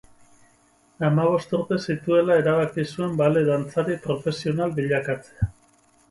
Hamabost urte zituela erabaki zuen ballet dantzari profesional bilakatzea.